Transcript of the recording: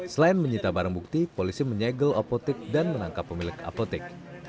selain menyita barang bukti polisi menyegel apotik dan menangkap pemilik apotek